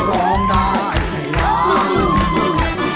ร้องได้ให้ร้าน